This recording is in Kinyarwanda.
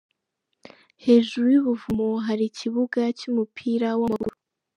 Hejuru y'ubuvumo hari ikibuga cy'umupira w'amaguru.